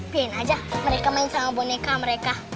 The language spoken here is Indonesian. pengen aja mereka main sama boneka mereka